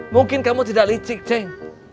mungkin kamu tidak licik ceng